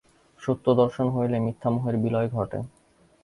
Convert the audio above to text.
সত্য-দর্শন হইলেই মিথ্যা মোহের বিলয় ঘটে।